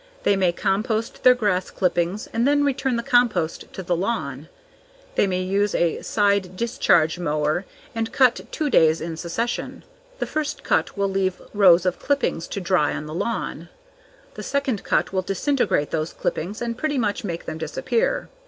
They may compost their grass clippings and then return the compost to the lawn. They may use a side discharge mower and cut two days in succession. The first cut will leave rows of clippings to dry on the lawn; the second cut will disintegrate those clippings and pretty much make them disappear.